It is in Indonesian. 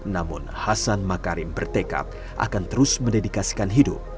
namun hasan makarim bertekad akan terus mendedikasikan hidup